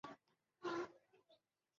他在共和党内属于温和保守派。